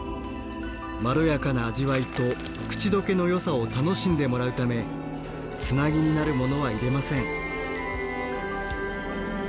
まろやかな味わいと口溶けのよさを楽しんでもらうためつなぎになるものは入れません。